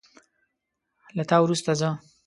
له تا وروسته زه